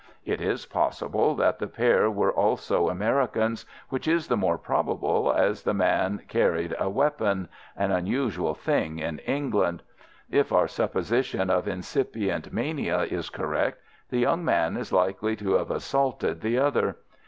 It is possible that the pair were also Americans, which is the more probable as the man carried a weapon—an unusual thing in England. If our supposition of incipient mania is correct, the young man is likely to have assaulted the other.